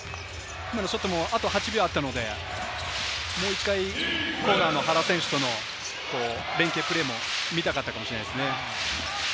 ショットも、あと８秒あったので、もう１回、コーナーの原選手との連係プレーも見たかったかもしれないですね。